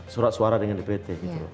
surat suara dengan dpt gitu loh